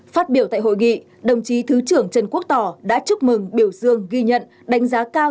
phát biểu tại hội nghị đồng chí thứ trưởng trần quốc tỏ đã chúc mừng biểu dương ghi nhận đánh giá cao